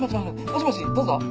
もしもしどうぞ。